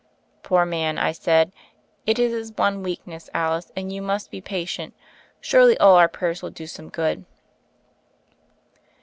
"Poor man," I said, "it is his one weakness, Alice, and you must be patient. Surely all our prayers will do some good."